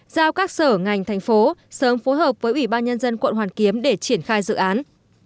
giao các sở ngành thành phố sớm phối hợp với ủy ban nhân dân quận hoàn kiếm để triển khai dự án